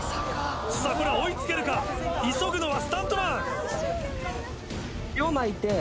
これは追い付けるか急ぐのはスタントマン！